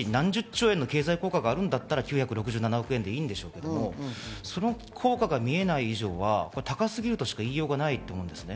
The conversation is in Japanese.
極端な話、何十兆円の経済効果があるなら９６７億円でいいでしょうけど、その効果が見えない以上は高すぎるとしか言いようがないと思うんです。